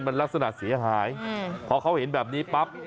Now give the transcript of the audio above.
มันลักษณะเสียหายพอเขาเห็นแบบนี้ปั๊บ